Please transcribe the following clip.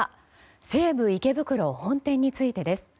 西武池袋本店についてです。